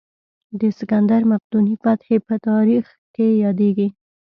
د سکندر مقدوني فتحې په تاریخ کې یادېږي.